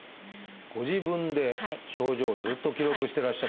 ご自分で症状をずっと記録してらっしゃって。